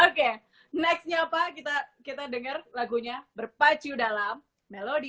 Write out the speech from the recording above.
oke nextnya pak kita denger lagunya berpacu dalam melodi